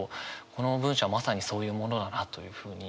この文章はまさにそういうものだなというふうに。